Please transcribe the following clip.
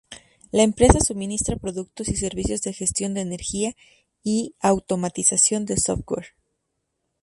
La empresa suministra productos y servicios de gestión de energía y automatización de software.